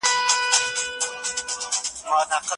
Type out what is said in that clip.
د مغولو تګلاره د دولت د پیاوړتیا لامل نه سوه.